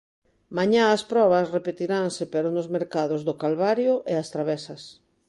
Mañá as probas repetiranse pero nos mercados do Calvario e as Travesas.